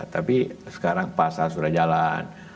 tapi sekarang pasar sudah jalan